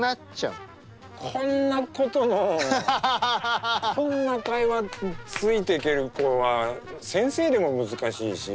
こんな子とのこんな会話ついてける子は先生でも難しいし。